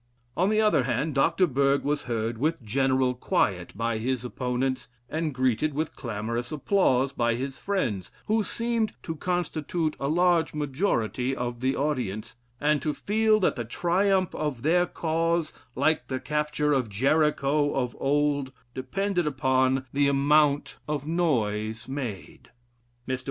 On the other hand, Dr. Berg was heard with general quiet by his opponents, and greeted with clamorous applause by his friends, who seemed to constitute a large majority of the audience, and to feel that the triumph of their cause, like the capture of Jericho of old, depended upon the amount of noise made. Mr.